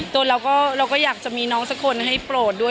เราก็อยากจะมีน้องสักคนให้โปรดด้วย